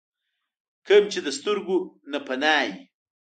کوم چې د سترګو نه پناه وي ۔